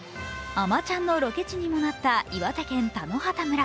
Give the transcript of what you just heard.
「あまちゃん」のロケ地にもなった岩手県田野畑村。